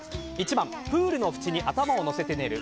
１番、プールの縁に頭をのせて寝る。